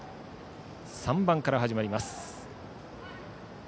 ３番から始まります。